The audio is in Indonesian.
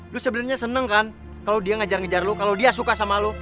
lo sebenernya seneng kan kalo dia ngajar ngajar lo kalo dia suka sama lo